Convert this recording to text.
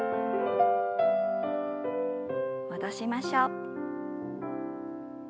戻しましょう。